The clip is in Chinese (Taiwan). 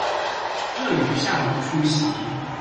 特於下午出席